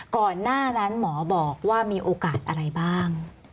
ก่อนหน้านั้นหมอบอกว่ามีโอกาสอะไรบ้าง